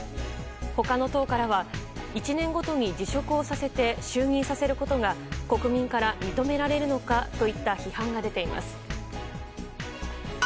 他の党からは１年ごとに辞職をさせて就任させることが国民から認められるのかといった批判が出ています。